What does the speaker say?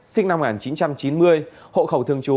sinh năm một nghìn chín trăm chín mươi hộ khẩu thường trú